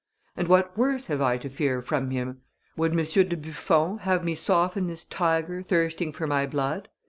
And what worse have I to fear from him? Would M. de Buffon have me soften this tiger thirsting for my blood?